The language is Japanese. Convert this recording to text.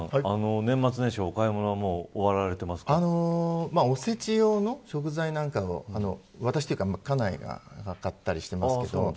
年末年始の買い物はおせち用の食材なんかを家内が買ったりしています。